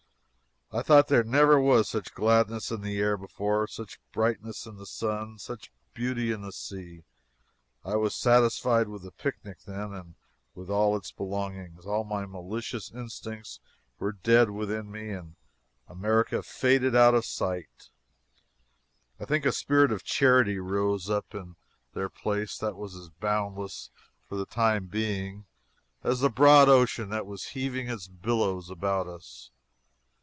I thought there never was such gladness in the air before, such brightness in the sun, such beauty in the sea. I was satisfied with the picnic then and with all its belongings. All my malicious instincts were dead within me; and as America faded out of sight, I think a spirit of charity rose up in their place that was as boundless, for the time being, as the broad ocean that was heaving its billows about us.